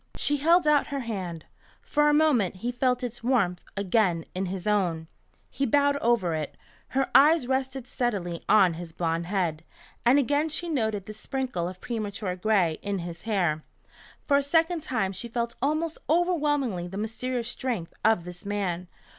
She held out her hand. For a moment he felt its warmth again in his own. He bowed over it. Her eyes rested steadily on his blond head, and again she noted the sprinkle of premature gray in his hair. For a second time she felt almost overwhelmingly the mysterious strength of this man.